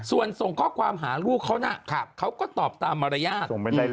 ส่วนส่งข้อความหาลูกเขานะเขาก็ตอบตามมารยาท